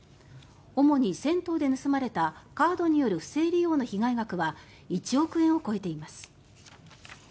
主に銭湯で盗まれたカードによる不正利用の被害額は１億円を超えています。